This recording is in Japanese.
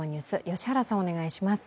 良原さん、お願いします。